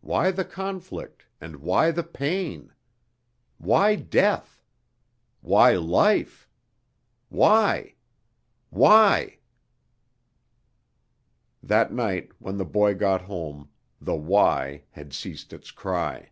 Why the conflict and why the pain? Why death? Why life? Why? Why?... That night when the boy got home the why had ceased its cry.